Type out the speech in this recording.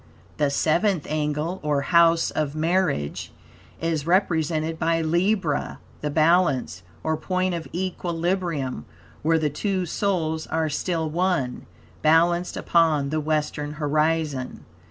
The seventh angle, or House of Marriage, etc., is represented by Libra (the Balance), or point of equilibrium; where the two souls are still one, balanced upon the western horizon.